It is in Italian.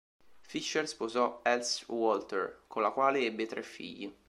Fischer sposò Else Walter, con la quale ebbe tre figli.